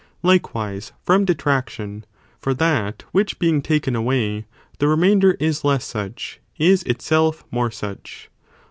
Likewise from detraction, far that which being taken away, the remainder is less such, is itself more such.